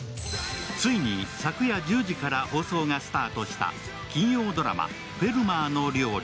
ついに、昨夜１０時から放送がスタートした金曜ドラマ「フェルマーの料理」。